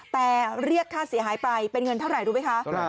แต่เรียกค่าเสียหายไปเป็นเงินเท่าไหร่รู้ไหมคะ